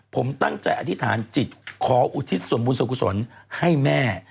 ผมตั้งใจอธิษฐานจิตขออุทิศส่วนบุญส่วนกุศลให้แม่